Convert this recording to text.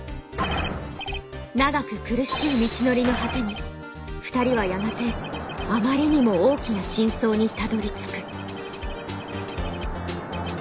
長く苦しい道のりの果てに２人はやがてあまりにも大きな真相にたどりつく。